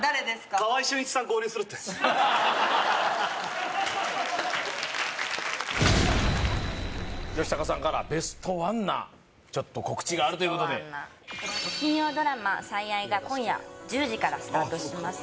川合俊一さん合流するって吉高さんからベストワンなちょっと告知があるということで金曜ドラマ「最愛」が今夜１０時からスタートします